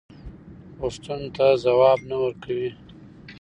پوښتنو ته ځواب نه ورکوي.